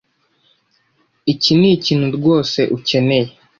Iki nikintu rwose ukeneye.